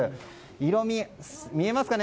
色味、見えますかね。